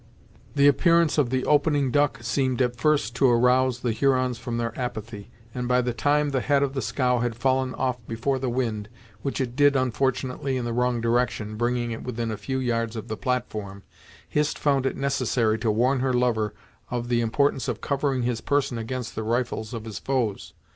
The appearance of the opening duck seemed first to arouse the Hurons from their apathy, and by the time the head of the scow had fallen off before the wind, which it did unfortunately in the wrong direction, bringing it within a few yards of the platform, Hist found it necessary to warn her lover of the importance of covering his person against the rifles of his foes.